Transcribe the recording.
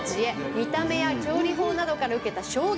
見た目や調理法などから受けた衝撃。